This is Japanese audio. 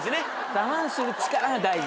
我慢する力が大事。